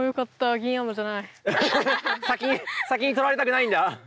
先に先にとられたくないんだ。